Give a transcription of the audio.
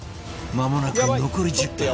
まもなく残り１０分